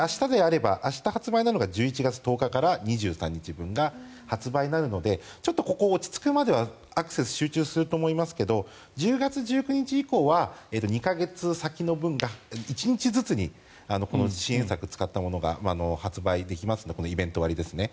明日発売なのが１１月１０日から２３日分が発売になるのでちょっとここが落ち着くまではアクセス集中すると思いますが１０月１９日以降は２か月先の分が１日ずつに支援策を使ったものが発売できますのでこのイベント割ですね。